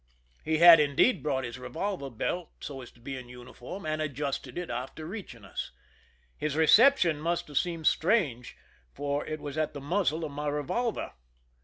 He had, indeed, brought his revolver belt, so as to be in uniform, and adjusted it after reaching us. His reception must have seemed strange, for it was at the muzzle of my revolver.